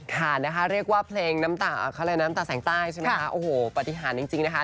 ค่ะเรียกว่าเพลงน้ำตาแสงใต้ใช่ไหมคะโอ้โหปฏิหารจริงนะคะ